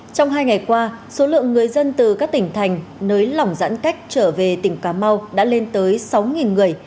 trong hai ngày qua số lượng người dân từ các tỉnh thành nới lỏng giãn cách trở về tỉnh cà mau đã lên tới sáu người